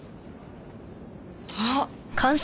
あっ。